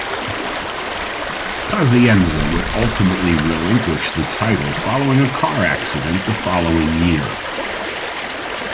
Pazienza would ultimately relinquish the title following a car accident the following year.